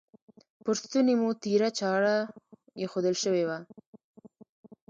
پر ستوني مو تیره چاړه ایښودل شوې وه.